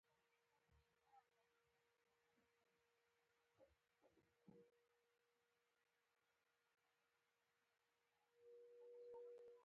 هلک د کور ملاتړ کوي.